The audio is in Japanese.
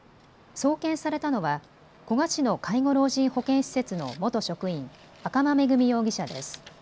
送検されたのは古河市の介護老人保健施設の元職員、赤間恵美容疑者です。